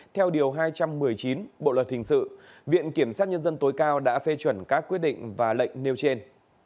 theo điều hai trăm một mươi chín bộ luật hình sự viện kiểm sát nhân dân tối cao đã phê chuẩn các quyết định và lệnh nêu trên